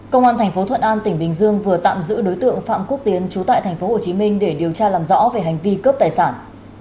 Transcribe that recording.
công an tp thuận an tỉnh bình dương vừa tạm giữ đối tượng phạm quốc tiến trú tại tp hcm để điều tra làm rõ về hành vi cướp tài sản